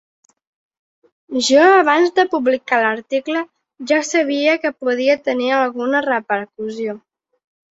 Jo abans de publicar l’article ja sabia que podia tenir alguna repercussió.